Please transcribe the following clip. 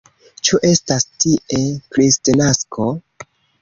Ĉu estas tie Kristnasko?